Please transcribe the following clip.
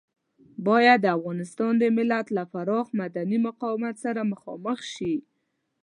بايد د افغانستان د ملت له پراخ مدني مقاومت سره مخامخ شي.